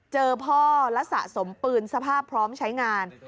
เจอพ่อและสะสมปืนสภาพพร้อมใช้งาน